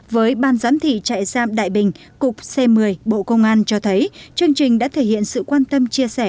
với ban giám thị trại giam đại bình cục c một mươi bộ công an cho thấy chương trình đã thể hiện sự quan tâm chia sẻ